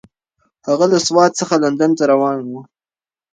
هغه له سوات څخه لندن ته روانه وه.